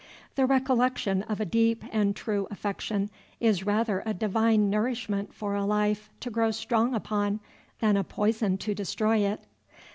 The recollection of a deep and true affection is rather a divine nourishment for a life to grow strong upon than a poison to destroy it.